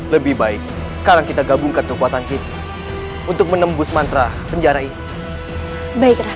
lebih baik sekarang kita gabungkan kekuatan kita untuk menembus mantra penjara ini baiklah